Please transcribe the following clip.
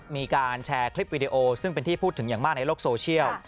มีการแชร์คลิปวิดีโอซึ่งเป็นที่พูดถึงอย่างมากในโลกโซเชียล